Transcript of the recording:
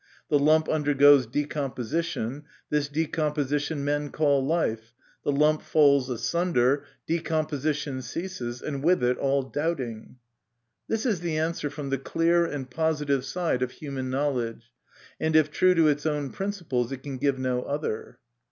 The lump undergoes decomposition, this decomposition men call life ; the lump falls asunder, decom position ceases, and with it all doubting." This is the answer from the clear and positive side of human knowledge, and if true to its own principles it can give no other.